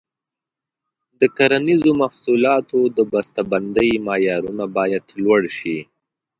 د کرنیزو محصولاتو د بسته بندۍ معیارونه باید لوړ شي.